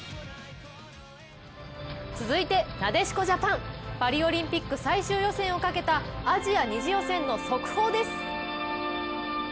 続いて、なでしこジャパン、パリオリンピック最終予選をかけたアジア２次予選の速報です。